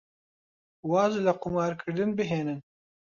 واز لە قومارکردن بهێنن.